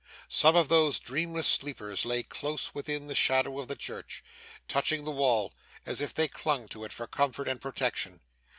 Some of those dreamless sleepers lay close within the shadow of the church touching the wall, as if they clung to it for comfort and protection.